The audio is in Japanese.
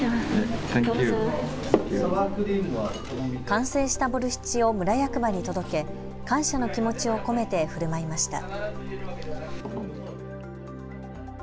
完成したボルシチを村役場に届け感謝の気持ちを込めてふるまいました。